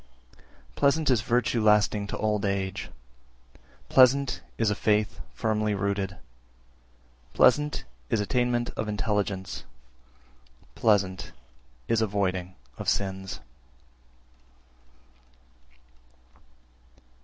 333. Pleasant is virtue lasting to old age, pleasant is a faith firmly rooted; pleasant is attainment of intelligence, pleasant is avoiding of sins.